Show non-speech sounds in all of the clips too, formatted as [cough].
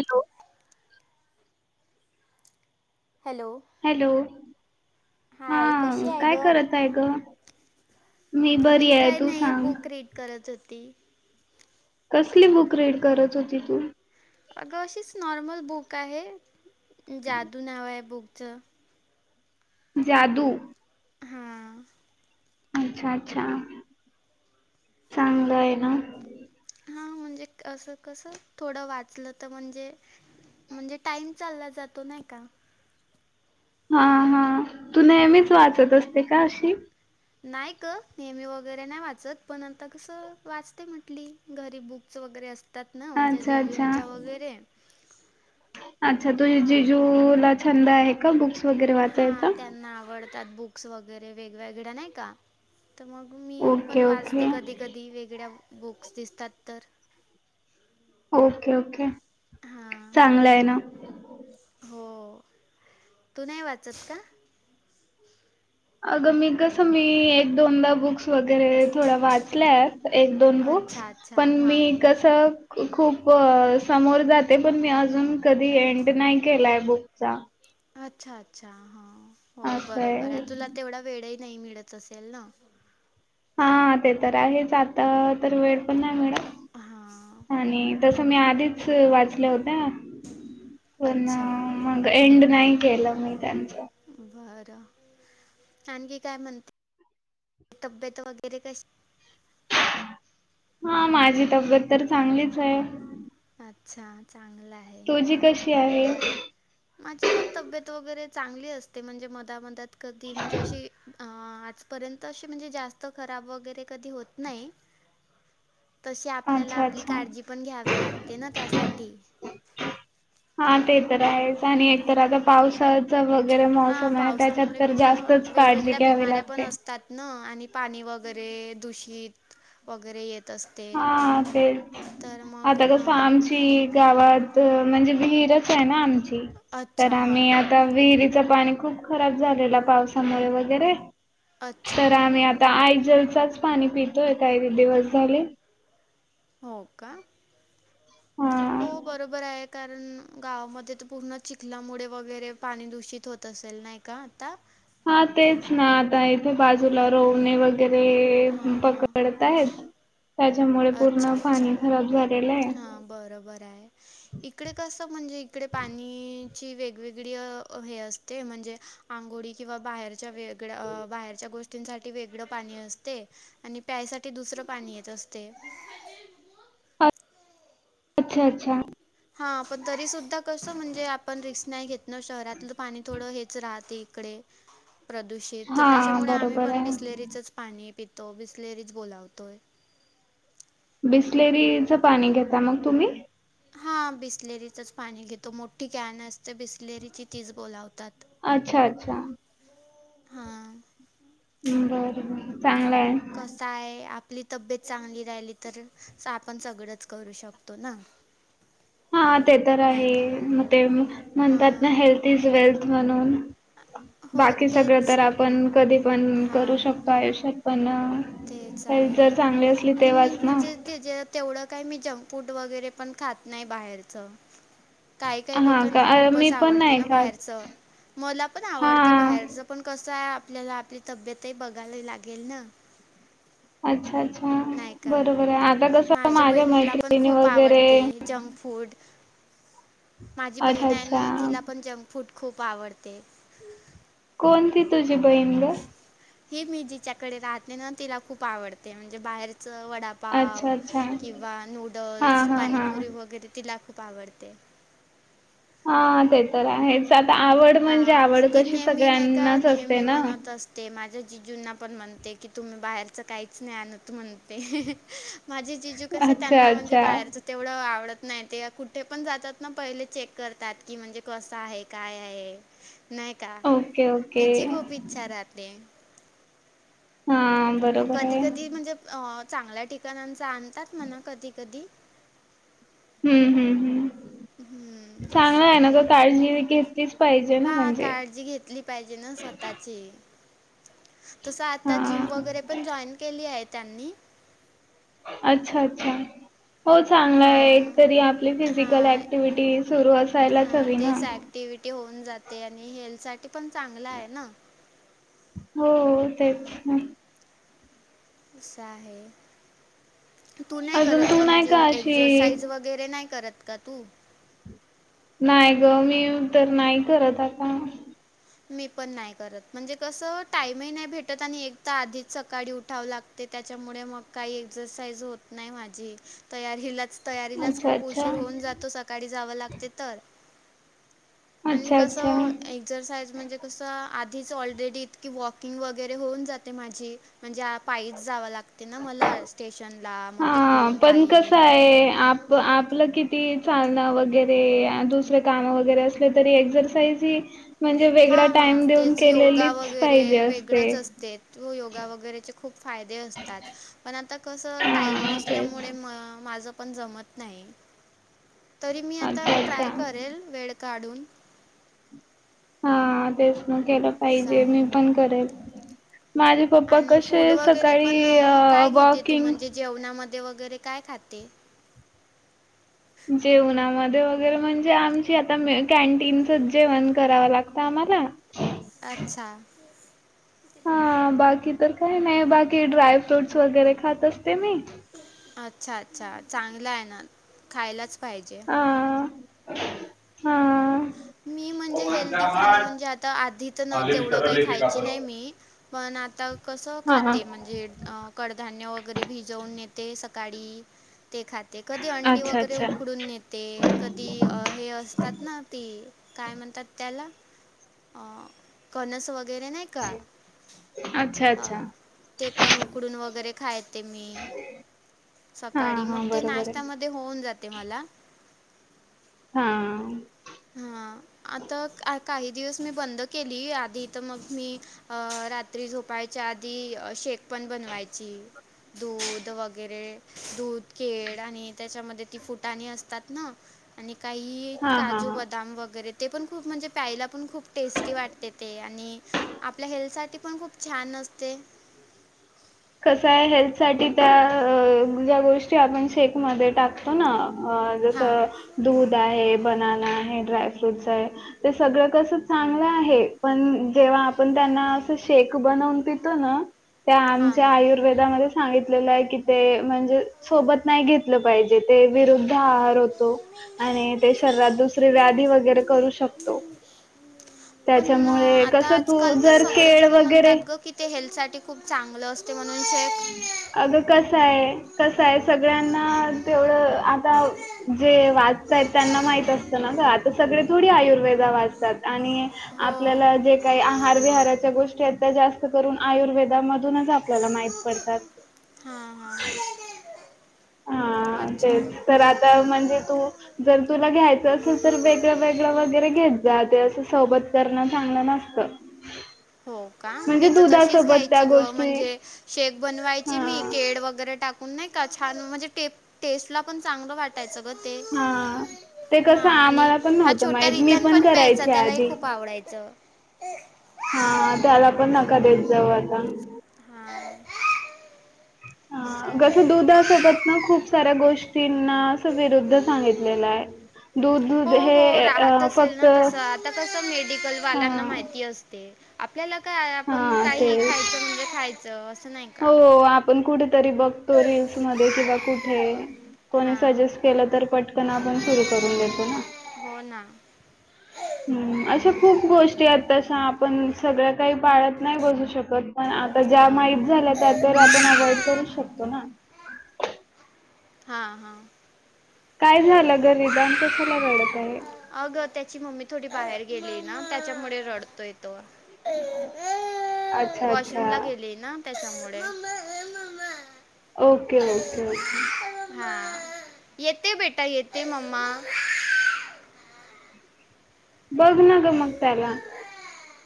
Hello. Hello. Hello हा hi कशी आहे काय करत गं आहे गं? काय नाही बुक रीड करत होती. कसली बुक रीड करत होती तू? अगं अशीच नॉर्मल बुक आहे जादू नाव आहे बुकचं, जादू. हा अच्छा अच्छा चांगलं आहे ना. हा म्हणजे अस कस थोडं वाचलं तर म्हणजे म्हणजे टाइम चालला जातो नाही का? हा हा तू नेहमीच हां वाचत असते का अशी? नाही ग नेहमी वगैरे नाही वाचत पण आता कसं वाचते म्हटली घरी बुक्स वगैरे असत असतात ना माझ्या अच्छा अच्छा जिजुंच्या वगैरे अच्छा तुझ्या हां जिजू- ला छंद आहे का बुक्स वगैरे हां वाचायचा? त्यांना आवड त्यात बुक्स वगैरे वेगवेगळ्या नाही का तर मग मी पण ओके वाचते ओके कधी कधी वेगळ्या बुक्स दिसतात तर. ओके ओके हां चांगलं आहे ना. हो तू नाही वाचत का? अगं मी कसं मी एक दोनदा बुक्स वगैरे थोड्या वाचल्या आहेत एक दोन बुक्स अच्छा अच्छा पण मी हां कसं खूप समोर जाते पण मी अजून कधी एंड नाही केलाय बुकचा. अच्छा अच्छा हा हो असंय बरोबर आहे तुला तेवढा वेळही नाही मिळत असेल ना? हा ते तर आहेच आता तर वेळ पण नाही हां मिळत आणि तसं मी आधीच वाचल्या होत्या. पुन्हा अच्छा मग एंड नाही केलं मी त्यांच. बरं आणखी काय म्हणते तब्येत वगैरे कशी हा माझी तब्येत तर चांगलीच आहे. अच्छा चांगलं आहे‌. तुझी कशी आहे? माझी पण तब्येत वगैरे चांगली असते म्हणजे मधामधात कधी म्हणजे अशी आजपर्यंत अशी म्हणजे जास्त खराब वगैरे कधी होत नाही. तशी आपल्याला अच्छा आपली अच्छा काळजी पण घ्यावी लागते ना त्यासाठी. हा ते तर आहेच. आणि एकतर आता हां. पावसाचा वगैरे हां मोसम आहे त्याच्यात पावसामुळे तर कशा जास्तच काळजी घ्यावी लागते. न आणि पाणी वगैरे दूषित वगैरे येत असते हा तेच तर मग आता कसं हां आमची गावात म्हणजे विहिरच आहे ना आमची तर अच्छा आम्ही हां. आता विहिरीच पाणी खूप खराब झालेल पावसामुळे वगैरे अच्छा. तर आम्ही आता आयजलच पाणी पितोय काही दिवस झाले. हो का हा. हो बरोबर आहे कारण गावामध्ये तर पूर्ण चिखलामुळे वगैरे पाणी दूषित होत तसेल नाही का आता? हा तेच ना आता इथे बाजूला रोवणी वगैरे हां हां पकडत आहेत त्याच्यामुळे अच्छा पूर्ण अच्छा पाणी खराब झालेलं आहे. हां बरोबर आहे. इकडे कस म्हणजे इकडे पाणीची वेगवेगळी हे असते म्हणजे आंघोळी किंवा बाहेरच्या वेगळ्या बाहेरच्या गोष्टी साठीवेगळं पाणी असते आणि प्यायसाठी दुसरं पाणी येत असते. अच्छा अच्छा. हा पण तरी सुुद्धा कसं म्हणजे आपण रिक्स नाही घेत. न शहरातलं पाणी थोडं हेच राहते इकडे प्रदूषित ते तर हां, त्याच्यामुळे आम्ही बरोबर पण आहे. बिसलेरीचच पाणी पितो, बिसलेरीच बोलावतोय. बिसलेरीच पाणी घेता मग तुम्ही? हा बिसलेरीचच पाणी घेतो मोठी कॅन असते बिसलेरीची तीच बोलावतात. अच्छा अच्छा. हा. बर बर चांगलं आहे. कसाय आपली तब्येत चांगली तर आपण सगळंच शकतो न. [inaudible] हा ते तर आहे मग ते म्हणतात न हां हेल्थ इज वेल्थ म्हणून हो बाकी सगळं तेच तर आपण कधी पण करू हां शकतो आयुष्यात पण तेच हेल्थ आहे जर चांगली असली आणि तेव्हा मी चन. म्हणजे ते ज तेवढं काय मी जंकफूड वगैरे पण खात नाही बाहेरच. काही काही हां का? लोकांना अ, मी खूपच पण आवडते नाही ना खात. बाहेरचं, मला पण आवडते हां. बाहेरच पण कसं आहे आपल्याला आपली तब्येतही बघायला लागेल न? अच्छा अच्छा. नाही का? बरोबर आता कस माझ्या बहिणीला पण मैत्रिणी खूप वगैरे आवडते जंक फूड. माझी अच्छा, बहीण आहे ना अच्छा. तिला पण जंक फूड खूप आवडते. कोणती तुझी बहीण ग? हे मी जिच्याकडे राहते ना तिला खूप आवडते म्हणजे बाहेरच वडा पाव अच्छा अच्छा किंवा हा नूडल्स, हा हा. पाणीपुरी वगैरे तिला खूप आवडते. हा ते तर आहेच आता आवड म्हणजे हां, आवड ती कशी सगळ्यांनाच असते ना. ते माझ्या जीजूंना पण म्हणते की तुम्ही बाहेरच काहीच नाही आणत म्हणते. माझे जीजू कसे अच्छा त्यांना म्हणजे अच्छा बाहेरच तेवढं आवडत नाही ते कुठे पण जातात ना पहिले चेक करतात की म्हणजे कसं आहे काय य नाही का ओके ओके तिची खूप इच्छा राहते. हां. मग कधी कधी म्हणजे चांगल्या ठिकाणांच आणतात म्हणा कधी कधी. हम्म हम्म हम्म. हम्म असं चांगलं ना आहे ग काळजी घेतलीच पाहिजे ना हा म्हणजे. काळजी घेतली पाहिजे ना स्वता ची तसं आता हा जिम वगैरे पण जॉईन केली आहे त्यांनी. अच्छा अच्छा. हो चांगला आहे एक हां तरी आपली फिजिकल हां ऍक्टिव्हटी सुरू असायलाच हवी ना. ऍक्टिव्हिटी होऊन जाते आणि हेल्थ साठी पण चांगला आहे ना. हो तेच न. अस आहे तू नाही अजून करत तू का नाही म्हणजे अशी एक्झरसाइज वगै वगैरे नाही करत का तू? नाही ग मी तर नाही करत आता. मी पण नाही करत म्हणजे कसं टाइम ही नाही भेटत आणि एक तर आधीच सकाळी उठावं लाग ते त्याच्यामुळे मग काही एक्झरसाईज होत नाही माझी तयारीलाच तयारीलाच अच्छा खूप अच्छा. उशीर होऊन जातो सकाळी जावं लागते तर. आणि अच्छा अच्छा. कसं एक्सरसाइज म्हणजे कसं, आधीच ऑलरेडी इतकी वॉकिंग वगैरे होऊन जाते माझी. म्हणजे पायीच जावं लागते ना. मला स्टेशन ला मग हा तिकडून पण कसं पायी. आप. [unintelligible] आपलं किती? चालणं वगैरे दुसरे काम वगैरे असले तरी एक्सरसाईज ही म्हणजे वेगळा हां हां टाइम देऊन तेच योगा केलेलीच पाहिजे वगैरे असते. वेगळंच असते योगा वगैरेचे खूप फायदे असतात. पण आता कसं टाईम हा तेच. नसल्यामुळे म माझं पण जमत नाही. तरी मी आता अच्छा अच्छा. ट्राय करेल वेळ काढून. हा तेच मग केलं असं पाहिजे मी आहे पण करेल माझे पप्पा आणि कसे फूड वगैरे सकाळी पण अं, काय घेते तू वॉकिंग. म्हणजे जेवणामध्ये वगैरे काय? खाते. जेवणामध्ये वगैरे म्हणजे आम्ही. आता कॅन्टीन जेवण करावं लागतं आम्हाला. अच्छा. हा बाकी तर काही नाही बाकी ड्राय फ्रूट्स वगैरे खात असते मी. अच्छा! अच्छा! चांगला आहे ना खायलाच पाहिजे. हा हा. मी म्हणजे हेल्दी खाणं म्हणजे आता आधीच हा नव्हं तेवढं काही खायची नाही मी. पण आता कसं हा खाते म्हणजे. कडधान्य वगैरे भिजवून नेते सकाळी. ते खाते कधी अंडी अच्छा वगैरे अच्छा. उकडून नेते कधी हे असतात ना. ती काय म्हणतात? त्याला कनस वगैरे नाही. का? अच्छा ह अच्छा ते पण उकडून वगैरे खायेते मी. हा सकाळी मग हा ते बरोबर आहे. नाश्त्यामध्ये होऊन जाते मला. हम्म. हा आता काही दिवस मी बंद केली आधी इथं मग मी. अ रात्री झोपायच्या आधी शेक पण बनवायची दूध वगैरे. दूध, केळ आणि त्याच्यामध्ये ती फुटाणी असतात ना. आणि काही हा का? हा हा. बदाम वगैरे ते पण खूप म्हणजे प्यायला पण खूप टेस्टी! वाटते ते आणि. आपल्या हेल्थ साठी पण खूप छान! असते. कसंय हेल्थ साठी त्या ज्या गोष्टी आपण शेकमध्ये टाकतो. न हां जसं दूध आहे, बनना आहे, ड्राय फ्रूट्स आहे. ते सगळं कसं चांगलं आहे. पण जेव्हा आपण त्यांना असं शेक बनवून पितो न- त्या हां आमच्या हां आयुर्वेदामध्ये सांगितलेलं आहे की ते म्हणजे सोबत नाही घेत ते विरुद्धआहार होतो. आणि ते शरीरात व्याधी वगैरे करू शकतो. पण अं, त्याच्यामुळे आता कसं तू आजकाल तर जर केळ सगळेजण म्हणतात वगैरे. ग की ते हेल्थ साठी खूप चांगलं असते. म्हणून.. शेक अगं कस आहे कसं सगळ्यांना तेवढं आता- जे वाचतायत त्यांना माहित असतं न ग आता सगळे थोडी आयुर्वेदा वाचतात. आणि हो आपल्याला जे काही आहार विहाराच्या गोष्टी आहेत त्या जास्त करून आयुर्वेदामध्ये. मधूनच आपल्याला माहीत पडतात. हा हा. हा तेच तर आता म्हणजे तू जर तुला घ्यायचं असेल तर वेगळं वेगळं वगैरे घेत जात असं सोबत करण चांगलं नसतं. हो का मी म्हणजे तर तशीच दुधासोबत त्या घ्यायची ग गोष्टी म्हणजे शेक बनवायची मी हा केळ वगैरे टाक नाही का छान म्हणजे टेस्ट ला पण चांगलं वाटायचं ग ते. हा ते हा कसं आणि आम्हाला पण हा नव्हतं छोटा माहित मी रिटन पण प्यायचा करायची त्यालाही आधी खूप आवडायचं. हा त्याला पण नका देत जाऊ आता. हा. हाकसं दूध. सोबत ना खूप साऱ्या गोष्टींना विरुद्ध सांगितलेलं आहे. दूध हो दूध हो हे राहत अ असेल फक्त ना तसं आता कसं मेडिकल हा वाल्यांना माहिती असत. आपल्याला काय आपण हा काही तेच खायचं म्हणजे खायचं. असं नाही का? हो आपण कुठेतरी बघतो रीलल्स मध्ये किंवा कुठे? कोणी हां. सजेस् केलं तर पटकन आपण सुरू करून देतो न. हो ना. हम्म अशा खूप गोष्टी आहेत तशा आपण सगळ्या काही पाळत नाही बसु शकत. पण आता ज्या हां. माहीित झाल्या त्या तर आपण अव्हइड करू शकतो ना. हा हा. काय झालं रीदान कशाला रडत आहे. अगं त्याची मम्मी थोडी बाहेर गेलीय ना त्याच्यामुळे रडतोय तो. अच्छा वॉशरूम अच्छा ला गेली ना त्याच्यामुळे. Okay okay okay. हा येते बेटा येते मम्मा. बघ न मगत्याला.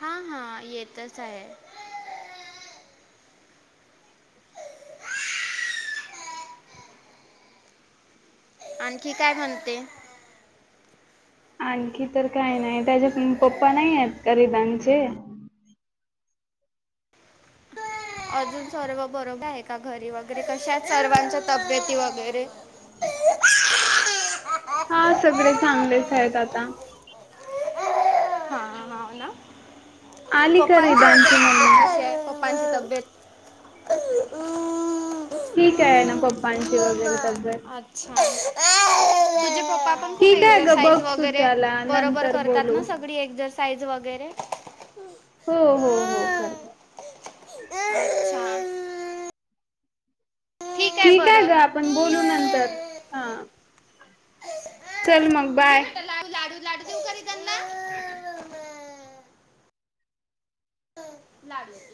हा हा येतच आहे. आणखी काय म्हणते? आणखी तर काय नाही त्याचे पप्पा नाही आहेत रिदांचे. अजून सर्व बरोबर आहे का घरी वगैरे कशा आहेत सर्वांच्या तब्येती वगैरे. [unintelligible] [inaudible] हा सगळे चांगलेच आहेत आता. आली का पप्पची रिदानची तब्येत मम्मा? कशी आहे पप्पची तब्येत. ठीक आहे ना पप्पांची वगैरे तब्येत. अच्छा पप्पा पण खूप ठीक आहे ग बघ एक्सरसाइज तू वगैरे त्याला बरोबर नंतर करतात न. बोलू. सगळी एक्झरसाइज वगैरे. हम्म हम्म हम्म करतात. शांत. ठीक आहे ग आपण बोलू नंतर हा. चल मग ये बाय. बेटा लाडू लाडू लाडू देऊ का रिटर्न. [unintelligible] लाडू.